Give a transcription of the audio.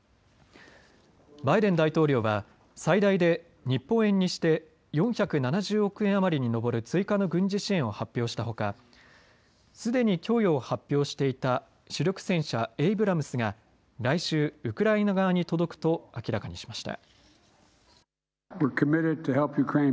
バイデン大統領は最大で日本円にして４７０億円余りに上る追加の軍事支援を発表したほかすでに供与を発表していた主力戦車、エイブラムスが来週ウクライナ側に届くと明らかにしました。